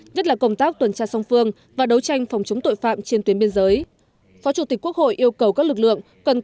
nhất là công tác tuần tra song phương và đấu tranh phòng chống tội phạm trên tuyến biên giới